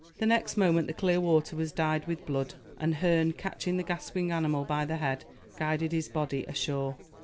The next moment the clear water was dyed with blood, and Herne, catching the gasping animal by the head, guided his body to shore.